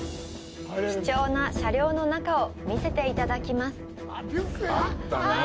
貴重な車両の中を見せていただきます。